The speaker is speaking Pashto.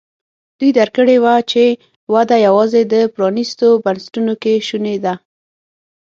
دوی درک کړې وه چې وده یوازې د پرانیستو بنسټونو کې شونې ده.